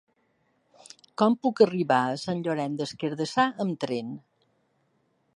Com puc arribar a Sant Llorenç des Cardassar amb tren?